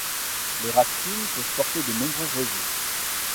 Les racines peuvent porter de nombreux rejets.